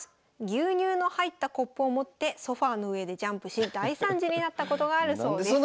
牛乳の入ったコップを持ってソファーの上でジャンプし大惨事になったことがあるそうです。